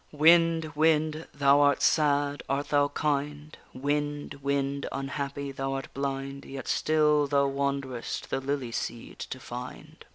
_Wind, wind! thou art sad, art thou kind? Wind, wind, unhappy! thou art blind, Yet still thou wanderest the lily seed to find.